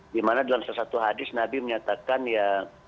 di mana dalam sesuatu hadis nabi menyatakan ya